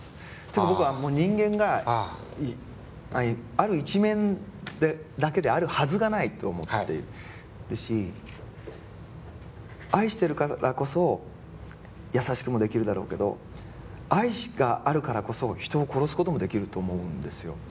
てか僕はもう人間がある一面だけであるはずがないと思ってるし愛してるからこそ優しくもできるだろうけど愛があるからこそ人を殺すこともできると思うんですよ。